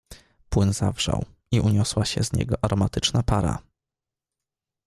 "Płyn zawrzał i uniosła się z niego aromatyczna para."